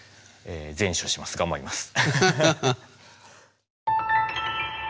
善処します頑張ります。